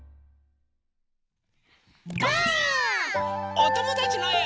おともだちのえを。